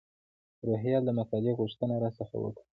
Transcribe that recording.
روهیال د مقالې غوښتنه را څخه وکړه.